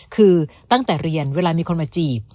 คือตั้งแต่เรียนเวลามีคนมาจีบ